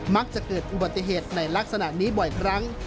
มักจะเกิดอุบัติเหตุในลักษณะนี้บ่อยครั้ง